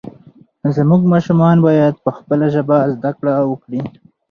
زموږ ماشومان باید په خپله ژبه زده کړه وکړي.